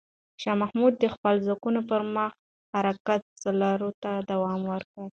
شاه محمود د خپلو ځواکونو پر مخ حرکت څارلو ته دوام ورکړ.